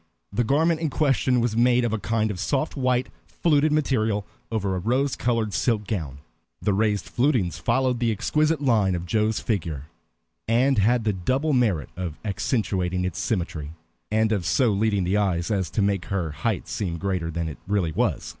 The garment in question was made of a kind of soft white, fluted material over a rose colored silk ground. The raised flutings followed the exquisite lines of Joe's figure, and had the double merit of accentuating its symmetry, and of so leading the eye as to make her height seem greater than it really was.